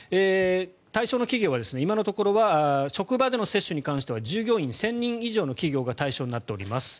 対象の企業は今のところは職場での接種に関しては従業員１０００人以上の企業が対象になっています。